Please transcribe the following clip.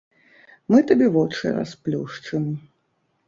Мы табе вочы расплюшчым!